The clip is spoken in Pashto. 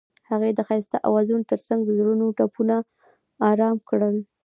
هغې د ښایسته اوازونو ترڅنګ د زړونو ټپونه آرام کړل.